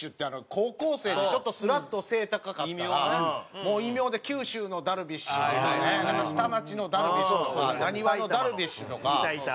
高校生でスラッと背高かったらもう異名で「九州のダルビッシュ」とか「下町のダルビッシュ」とか「浪花のダルビッシュ」とか。いたいた。